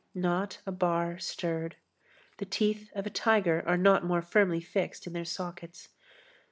Not a bar stirred. The teeth of a tiger are not more firmly fixed in their sockets.